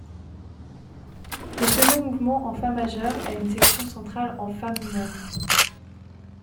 Le second mouvement en fa majeur a une section centrale en fa mineur.